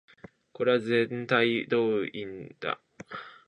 これはぜんたいどういうんだ